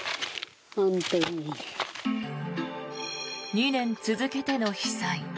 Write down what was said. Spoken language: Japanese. ２年続けての被災。